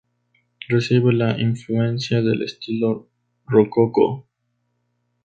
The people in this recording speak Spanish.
Recibe la influencia del estilo rococó.